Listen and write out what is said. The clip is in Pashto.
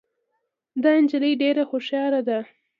دا جینۍ ډېره هوښیاره ده